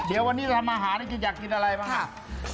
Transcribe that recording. เดี๋ยววันนี้เรามาหาจริงอยากกินอะไรบ้างค่ะ